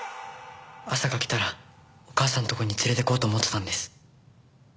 朝が来たらお母さんの所に連れていこうと思ってたんです。